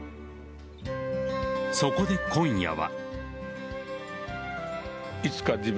そこで今夜は。